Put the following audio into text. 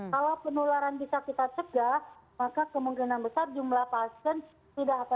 kalau penularan bisa kita cegah maka kemungkinan besar jumlah pasien tidak akan